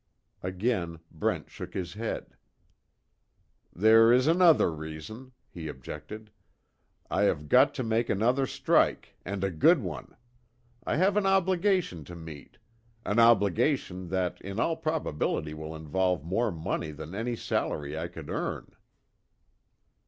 Again Brent shook his head: "There is another reason," he objected, "I have got to make another strike and a good one. I have an obligation to meet an obligation that in all probability will involve more money than any salary I could earn."